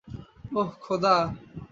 ওহ, খোদা।